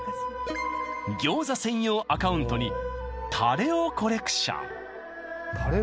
餃子専用アカウントにタレをコレクション